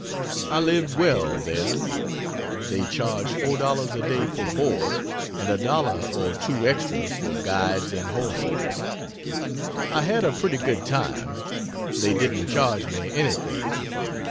I lived well there. They charge $4 a day for board, and a dollar or two extra for guides and horses. I had a pretty good time. They didn't charge me anything.